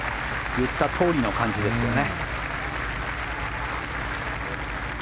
言ったとおりの感じですよね。